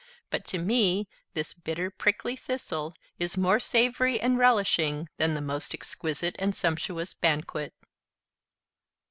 But to me this bitter, prickly thistle is more savory and relishing than the most exquisite and sumptuous banquet."